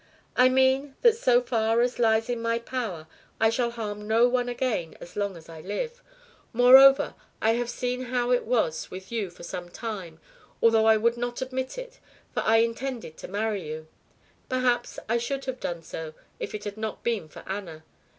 "I mean that so far as lies in my power I shall harm no one again as long as I live. Moreover, I have seen how it was with you for some time, although I would not admit it, for I intended to marry you. Perhaps I should have done so if it had not been for Anna.